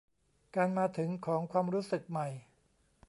การมาถึงของความรู้สึกใหม่